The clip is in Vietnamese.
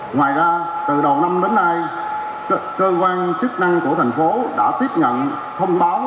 ngoài ra từ đầu năm đến nay cơ quan chức năng của thành phố đã tiếp nhận thông báo